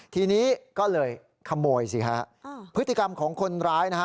ทีนี้ก็เลยขโมยสิฮะพฤติกรรมของคนร้ายนะฮะ